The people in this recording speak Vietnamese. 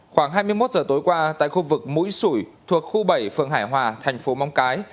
khoảng hai mươi một giờ tối qua tại khu vực mũi sủi thuộc khu bảy phường hải hòa thành phố móng cái